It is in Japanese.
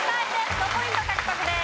５ポイント獲得です。